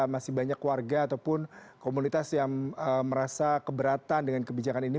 masih banyak warga ataupun komunitas yang merasa keberatan dengan kebijakan ini